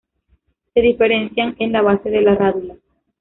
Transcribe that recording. Se diferencian en la base de la rádula.